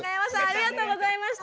ありがとうございます。